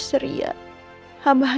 terima kasih bu